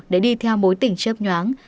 để đi theo mối tỉnh chớp nhoáng